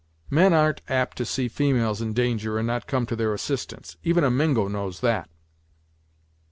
"Men ar'n't apt to see females in danger, and not come to their assistance. Even a Mingo knows that."